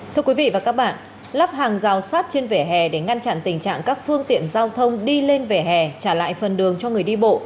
thưa quý vị và các bạn lắp hàng rào sát trên vỉa hè để ngăn chặn tình trạng các phương tiện giao thông đi lên vỉa hè trả lại phần đường cho người đi bộ